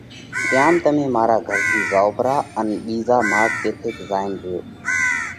تيام تمي مارا گھر ٿِي زائو پرا، ان ٻِيزا ماڳ ڪٿيڪ زائينَ ريو۔